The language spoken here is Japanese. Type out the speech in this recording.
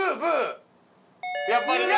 やっぱりな。